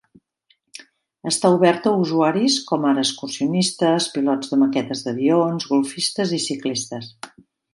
Està obert a usuaris com ara excursionistes, pilots de maquetes d'avions, golfistes i ciclistes.